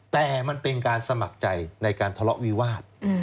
แต่มันเป็นการสมัครใจในการทะเลาะวิวาส